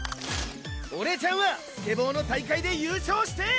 俺ちゃんはスケボーの大会で優勝してえ！